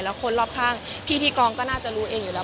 แล้วคนรอบข้างพี่ที่กองก็น่าจะรู้เองอยู่แล้ว